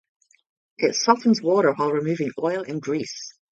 It softens water while removing oil and grease.